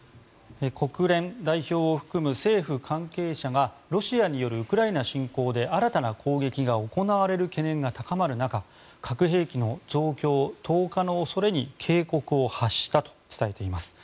国連代表を含む政府関係者がロシアによるウクライナ侵攻で新たな攻撃が行われる懸念が高まる中核兵器の増強・投下の恐れに警告を発したと伝えています。